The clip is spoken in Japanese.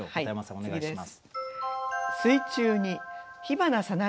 お願いします。